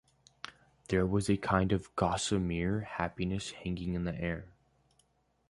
There was a kind of gossamer happiness hanging in the air.